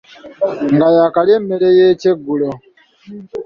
Nga yaakalya emmere y'ekyeggulo.